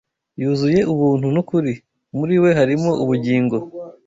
yuzuye ubuntu n’ukuri.” “Muri we harimo ubugingo